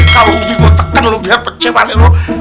kalo gitu tekan lo biar peceh balik lo